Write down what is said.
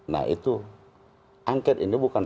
nah itu angket ini bukan